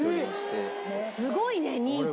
すごいね２位って。